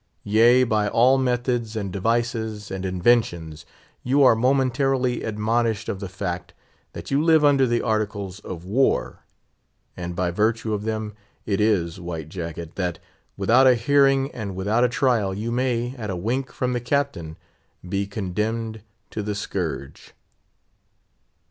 Yea, by all methods, and devices, and inventions, you are momentarily admonished of the fact that you live under the Articles of War. And by virtue of them it is, White Jacket, that, without a hearing and without a trial, you may, at a wink from the Captain, be condemned to the scourge.